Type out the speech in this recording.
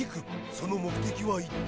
その目的は一体。